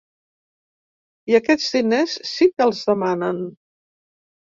I aquests diners sí que els demanem.